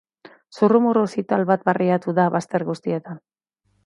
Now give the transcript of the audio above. Zurrumurru zital bat barreiatu da bazter guztietan.